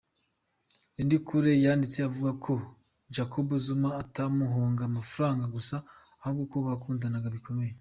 Lindokuhle, yanditse avuga ko Jacob Zuma atamuhonga amafaranga gusa ahubwo ko bakundana bikomeye.